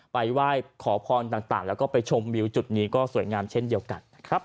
ไหว้ขอพรต่างแล้วก็ไปชมวิวจุดนี้ก็สวยงามเช่นเดียวกันนะครับ